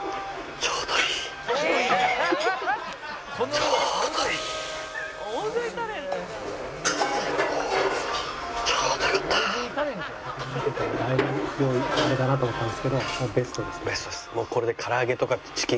ちょうどいいです。